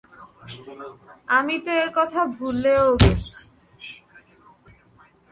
আমি তো এর কথা ভুলেও গেছি।